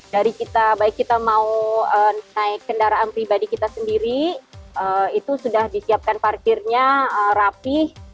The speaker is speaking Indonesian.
dari kita baik kita mau naik kendaraan pribadi kita sendiri itu sudah disiapkan parkirnya rapih